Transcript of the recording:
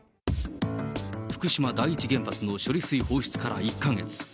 福島第一原発の処理水放出から１か月。